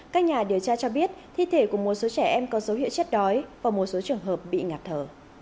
các nhà điều tra cho biết thi thể của một số trẻ em có dấu hiệu chết đói và một số trường hợp bị ngạt thở